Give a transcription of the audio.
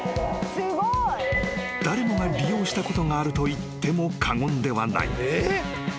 ［誰もが利用したことがあるといっても過言ではない］